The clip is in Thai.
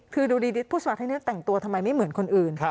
คือดูดีผู้สมัครคนนี้แต่งตัวทำไมไม่เหมือนคนอื่น